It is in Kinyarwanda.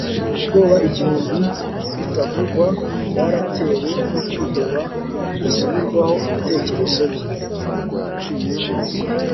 Ubwoba igihumbi butavugwa bwaratewe no kwiheba bidasubirwaho ibitekerezo bye